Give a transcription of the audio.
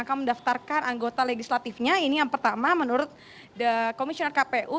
akan mendaftarkan anggota legislatifnya ini yang pertama menurut komisioner kpu